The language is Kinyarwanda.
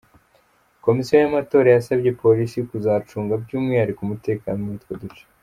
Komisiyo y’Amatora yasabye Polisi kuzacunga by’umwihariko umutekano muri utwo duce.